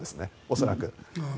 恐らく。